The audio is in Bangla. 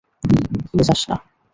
ভুলে যাস না।